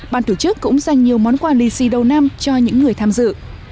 ban tổ chức cũng dành nhiều món quà lì xì đầu năm cho những người tham dự